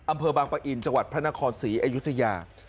อำเภอบางปะอินจังหวัดพระนครศรีอยุธยา